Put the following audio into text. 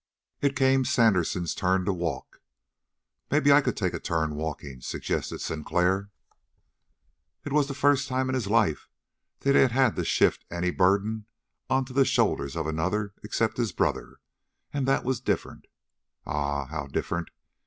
It came Sandersen's turn to walk. "Maybe I could take a turn walking," suggested Sinclair. It was the first time in his life that he had had to shift any burden onto the shoulders of another except his brother, and that was different. Ah, how different!